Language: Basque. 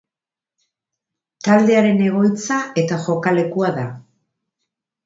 Taldearen egoitza eta jokalekua da.